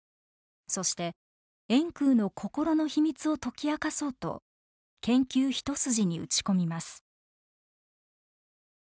そして円空の心の秘密を解き明かそうと研究一筋に打ち込みます。